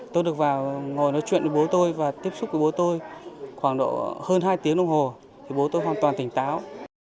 tôi được vào ngồi nói chuyện với bố tôi và tiếp xúc với bố tôi khoảng độ hơn hai tiếng đồng hồ thì bố tôi hoàn toàn tỉnh táo